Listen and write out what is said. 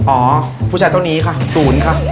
อ๋ออผู้ชายที่ตรงนี้ซูนค่ะ